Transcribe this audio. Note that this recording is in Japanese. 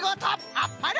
あっぱれ！